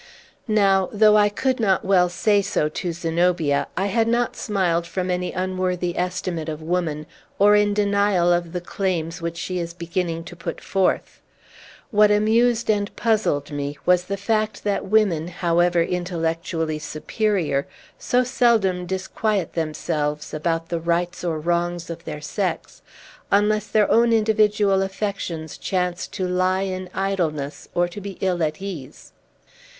Now, though I could not well say so to Zenobia, I had not smiled from any unworthy estimate of woman, or in denial of the claims which she is beginning to put forth. What amused and puzzled me was the fact, that women, however intellectually superior, so seldom disquiet themselves about the rights or wrongs of their sex, unless their own individual affections chance to lie in idleness, or to be ill at ease.